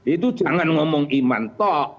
itu jangan ngomong iman toh